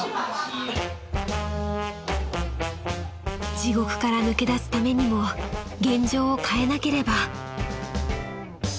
［地獄から抜け出すためにも現状を変えなければ］